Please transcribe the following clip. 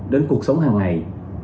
đến cuộc sống hàng ngày